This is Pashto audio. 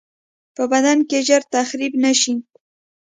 په بدن کې ژر تخریب نشي.